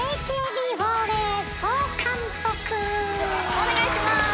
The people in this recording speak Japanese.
お願いします。